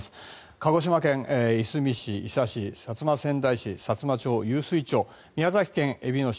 鹿児島県出水市、伊佐市薩摩川内市、さつま町、湧水町宮崎県えびの市